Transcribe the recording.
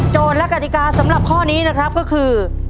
และกติกาสำหรับข้อนี้นะครับก็คือ